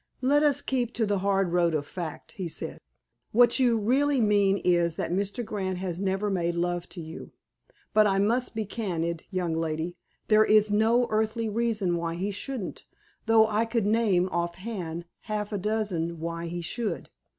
"Let us keep to the hard road of fact," he said. "What you really mean is that Mr. Grant has never made love to you. But I must be candid, young lady. There is no earthly reason why he shouldn't, though I could name offhand half a dozen why he should....